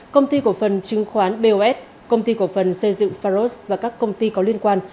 công ty cổ phần chứng khoán bos công ty cổ phần xây dựng pharos và các công ty có liên quan